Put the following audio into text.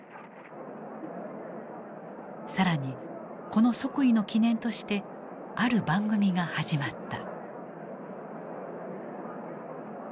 更にこの即位の記念としてある番組が始まった。